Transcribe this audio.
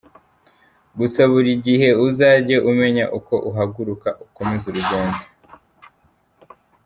Gusa buri gihe uzajye umenya uko uhaguruka ukomeze urugendo.